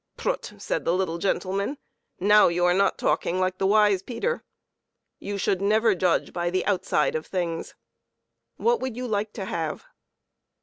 " Prut !" said the little gentleman, " now you are not talking like the wise Peter. You should never judge by the outside of things. What would you like to have?"